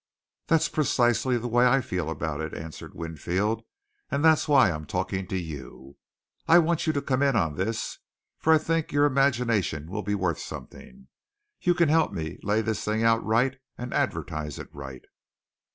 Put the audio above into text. "That's precisely the way I feel about it," answered Winfield, "and that's why I am talking to you. I want you to come in on this, for I think your imagination will be worth something. You can help me lay this thing out right and advertise it right."